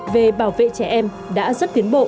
về bảo vệ trẻ em đã rất tiến bộ